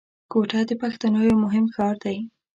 کوټه د پښتنو یو مهم ښار دی